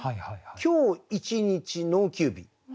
「今日」「一日」「農休日」。